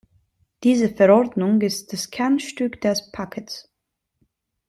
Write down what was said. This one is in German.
Diese Verordnung ist das Kernstück des Pakets.